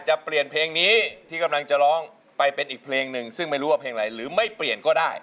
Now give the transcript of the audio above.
จะเปลี่ยนเพลงนี้ที่กำลังจะร้องไปเป็นอีกเพลงหนึ่งซึ่งไม่รู้ว่าเพลงอะไรหรือไม่เปลี่ยนก็ได้